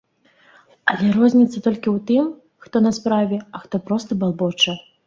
Але розніца толькі ў тым, хто на справе, а хто проста балбоча.